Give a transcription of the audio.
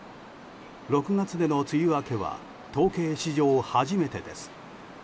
６月での梅雨明けは統計史上初めてです。